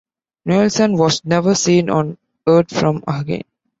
Nielson was never seen or heard from again.